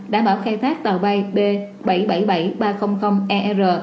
đảm bảo khai thác tàu bay b bảy trăm bảy mươi bảy ba trăm linh er